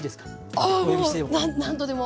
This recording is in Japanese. ああもう何とでも。